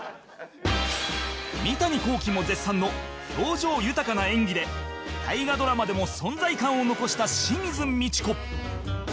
三谷幸喜も絶賛の表情豊かな演技で大河ドラマでも存在感を残した清水ミチコ